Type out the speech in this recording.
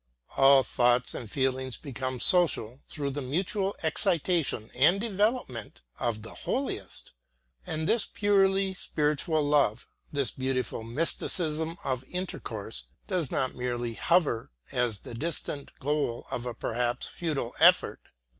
All thoughts and feelings become social through the mutual excitation and development of the holiest. And this purely spiritual love, this beautiful mysticism of intercourse, does not merely hover as the distant goal of a perhaps futile effort.